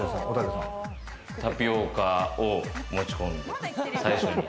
タピオカを持ち込んだ人、最初に。